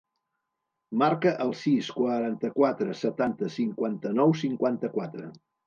Marca el sis, quaranta-quatre, setanta, cinquanta-nou, cinquanta-quatre.